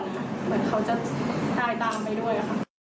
เหมือนเขาจะตายตามไปด้วย